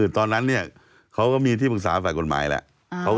ตอนนั้นเขาก็มีที่ปรึกษาฝ่ายกฎหมายแหละ